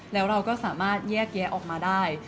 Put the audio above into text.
แล้วเราก็สามารถแยกแยะออกมาได้